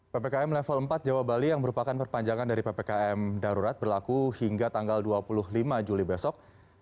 ppkm level empat jawa bali yang merupakan perpanjangan dari ppkm darurat berlaku hingga tanggal dua puluh lima juli besok